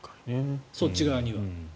そっち側には。